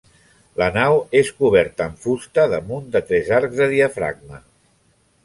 La nau és coberta amb de fusta damunt de tres arcs de diafragma.